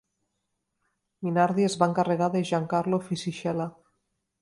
Minardi es va encarregar de Giancarlo Fisichella.